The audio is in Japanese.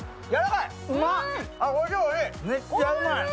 めっちゃうまい！